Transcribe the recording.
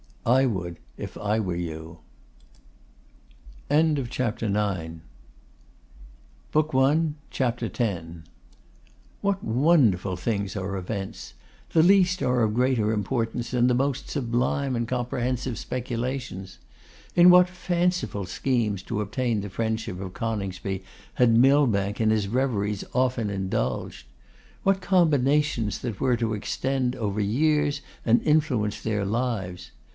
'I would if I were you.' CHAPTER X. What wonderful things are events! The least are of greater importance than the most sublime and comprehensive speculations! In what fanciful schemes to obtain the friendship of Coningsby had Millbank in his reveries often indulged! What combinations that were to extend over years and influence their lives!